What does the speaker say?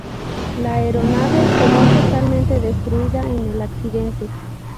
La aeronave quedó totalmente destruida en el accidente.